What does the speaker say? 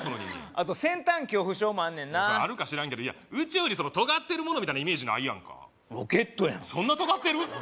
あと先端恐怖症もあんねんなあるか知らんけど宇宙に尖ってるものみたいなイメージないやんかロケットやんそんな尖ってる？